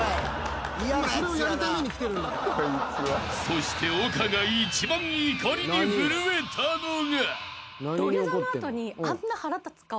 ［そして丘が一番怒りにふるえたのが］